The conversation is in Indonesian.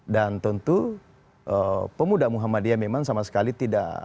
dan tentu pemuda muhammadiyah memang sama sekali tidak